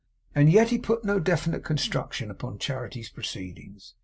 And yet he put no definite construction upon Charity's proceedings.